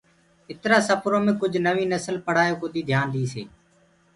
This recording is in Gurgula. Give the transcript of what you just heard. اِترا سڦرو مي ڪُج نوينٚ نسل پڙهآيو ڪودي بي ڌِيآن ديٚس هي۔